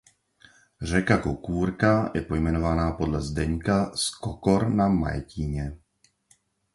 Řeka Kokůrka pojmenována byla podle Zdeňka z Kokor na Majetíně